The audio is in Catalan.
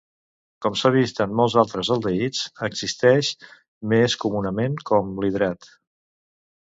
Com s'ha vist en molts altres aldehids, existeix més comunament com l'hidrat.